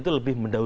itu kalau berarti